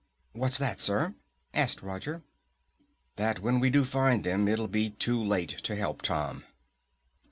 "What's that, sir?" asked Roger. "That when we do find them, it'll be too late to help Tom."